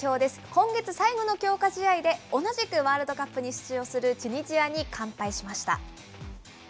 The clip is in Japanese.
今月最後の強化試合で、同じくワールドカップに出場するチュニジアに完敗しました。